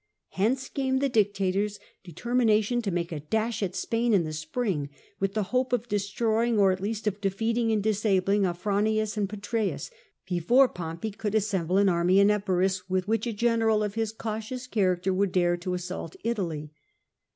Hence came the dictator's determination to make a dash at Spain in the spring, with the hope of destroying, or at least of defeating and disabling, Afranius and Petreius, before Pompey could assemble an army in Epirus with which a general of his cautious character would dare to assault Italy.